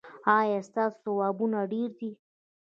ایا ستاسو ثوابونه ډیر دي؟